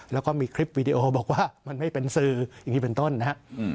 แล้วก็มีคลิปวีดีโอบอกว่ามันไม่เป็นสื่ออย่างนี้เป็นต้นนะครับ